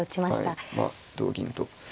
はいまあ同銀と。